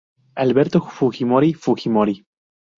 Alberto Fujimori Fujimori.